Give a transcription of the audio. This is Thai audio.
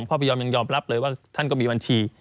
พยอมยังยอมรับเลยว่าท่านก็มีบัญชี